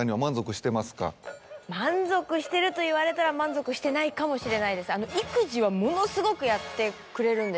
満足してる？と言われたら満足してないかもしれないです。